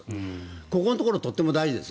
ここのところがとても大事です。